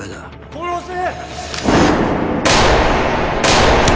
殺せ！